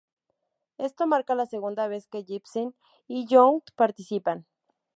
Esto marca la segunda vez que Jepsen y Young participan.